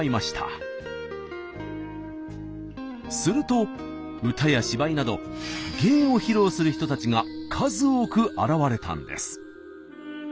すると歌や芝居など芸を披露する人たちが数多く現れたんです。